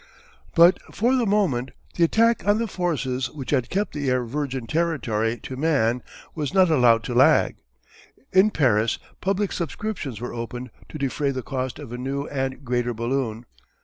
But for the moment the attack on the forces which had kept the air virgin territory to man was not allowed to lag. In Paris public subscriptions were opened to defray the cost of a new and greater balloon.